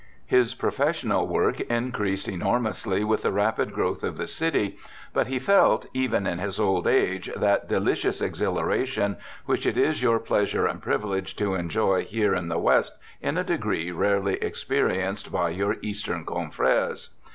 ^ His professional work increased enormously with the rapid growth of the city, but he felt, even in his old age, that delicious exhilaration which it is your pleasure and privilege to enjoy here in the west in a degree rarely experienced by your eastern confreres.